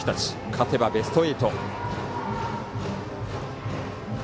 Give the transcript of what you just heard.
勝てばベスト８。